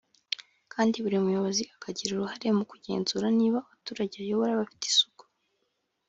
kandi buri mu buyobozi akagira uruhare mu kugenzura niba abaturage ayobora bafite isuku